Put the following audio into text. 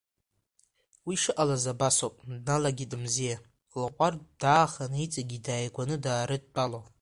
Уи шыҟалаз абасоуп, дналагеит Мзиа, лҟәардә дааханы иҵегьы дааигәаны даарыдтәало…